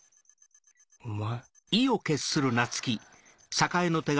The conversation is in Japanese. お前。